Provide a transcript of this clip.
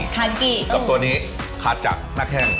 และตัวนี้ขาจักรหนักแห้ง